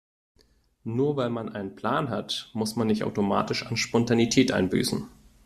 Nur weil man einen Plan hat, muss man nicht automatisch an Spontanität einbüßen.